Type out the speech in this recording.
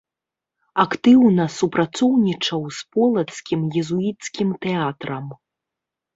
Актыўна супрацоўнічаў з полацкім езуіцкім тэатрам.